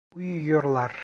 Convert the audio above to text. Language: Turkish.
Uyuyorlar.